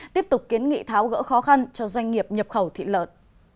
tiếp tục kiến nghị tháo gỡ khó khăn cho doanh nghiệp nhập khẩu thịt lợn